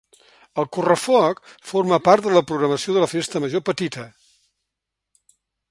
El correfoc forma part de la programació de la festa major petita.